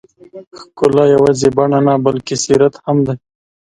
ښکلا یوازې بڼه نه، بلکې سیرت هم دی.